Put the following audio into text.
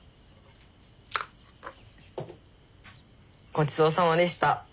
・ごちそうさまでした。